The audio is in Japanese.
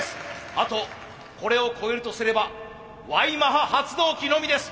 あとこれを超えるとすればＹマハ発動機のみです。